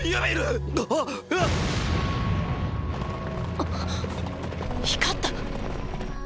あっ光った⁉